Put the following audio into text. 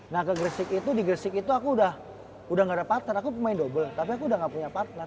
nah ke gresik itu di gresik itu aku udah gak ada partner aku pemain double tapi aku udah gak punya partner